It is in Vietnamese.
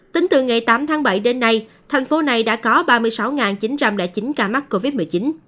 tính từ ngày tám tháng bảy đến nay thành phố này đã có ba mươi sáu chín trăm linh chín ca mắc covid một mươi chín